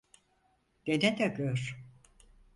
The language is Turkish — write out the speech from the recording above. Dene de gör.